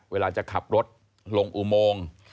เวลาจะขับรถลงอุโมง